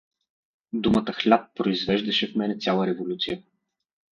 Думата „хляб“ произвеждаше в мене цяла революция.